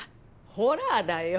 ホラーだよ。